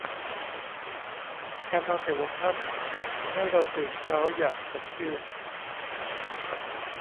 การนอนแต่หัวค่ำ ทำให้เราตื่นเช้า อย่างสดชื่น